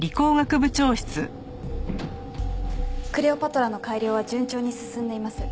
クレオパトラの改良は順調に進んでいます。